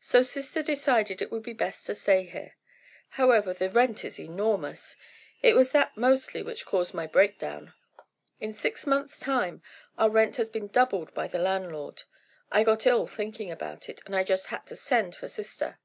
So, sister decided it was best to stay here. However, the rent is enormous. It was that mostly which caused my breakdown. In six months time our rent has been doubled by the landlord. I got ill thinking about it, and I just had to send for sister.